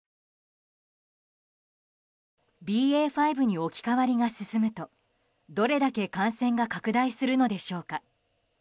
ＢＡ．５に置き換わりが進むとどれだけ感染が拡大するのでしょうか。